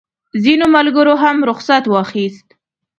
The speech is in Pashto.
ځینو ملګرو هم رخصت واخیست.